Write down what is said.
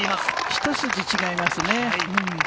一筋違いますね。